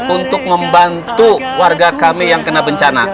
untuk membantu warga kami yang kena bencana